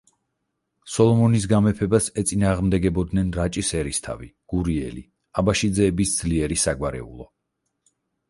სოლომონის გამეფებას ეწინააღმდეგებოდნენ რაჭის ერისთავი, გურიელი, აბაშიძეების ძლიერი საგვარეულო.